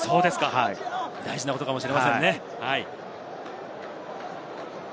大事なことかもしれませんね。